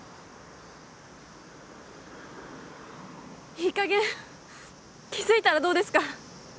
いいかげん気付いたらどうですか？